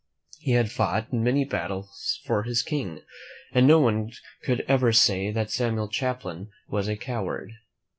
He had fought in many battles for his King, and no one could ever say that Samuel Champlain was a coward.